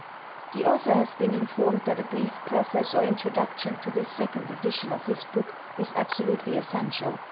*T*HE author has been informed that a brief preface or ^ introduction to this second edition of his book is ab solutely essential.